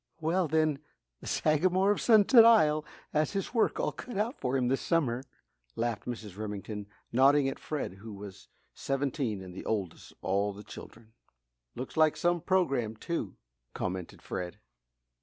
"Well then, the Sagamore of Sunset Isle has his work all cut out for him this summer," laughed Mrs. Remington, nodding at Fred, who was seventeen and the oldest of all the children. "Looks like some programme, too!" commented Fred.